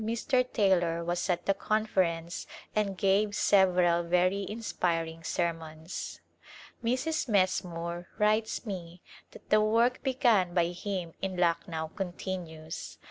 Mr. Taylor was at the Conference and gave several very inspiring sermons. Mrs. Messmore writes me that the work begun by him in Lucknow continues.